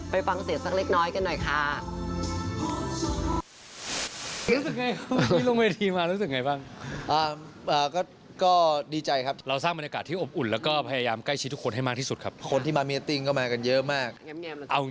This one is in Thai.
ไปฟังเสียงสักเล็กน้อยกันหน่อยค่ะ